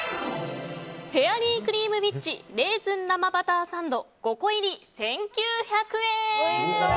フェアリークリームウィッチレーズン生バターサンド５個入り１９００円。